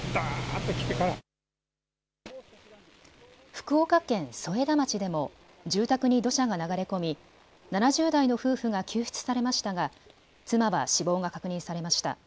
福岡県添田町でも住宅に土砂が流れ込み７０代の夫婦が救出されましたが妻は死亡が確認されました。